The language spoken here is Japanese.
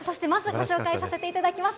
ご紹介させていただきます。